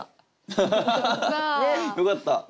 よかった！